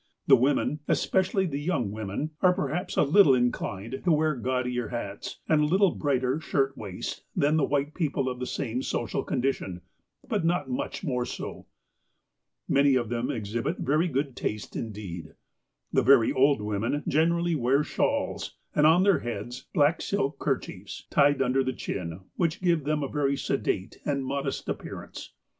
The women, especially the young women, are perhaps a little inclined to wear gaudier hats, and a little brighter shirt waists than white people of the same social condition ; but not much more so. Many of them exhibit very good taste, indeed. The very old women generally wear shawls, and on their heads black silk kerchiefs, tied under the chin, which give them a very sedate and modest appearance.